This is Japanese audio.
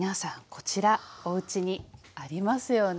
こちらおうちにありますよね？